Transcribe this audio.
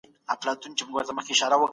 یوازې ژوند کول ستونزمن کار دی.